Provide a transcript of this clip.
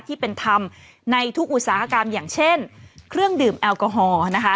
ที่เป็นธรรมในทุกอุตสาหกรรมอย่างเช่นเครื่องดื่มแอลกอฮอล์นะคะ